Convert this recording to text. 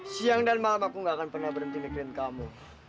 siang dan malam aku gak akan pernah berhenti mikirin kamu